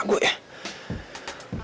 kok bodyguard bokap lu jago ya